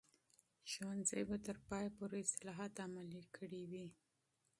ښوونځي به تر پایه پورې اصلاحات عملي کړي وي.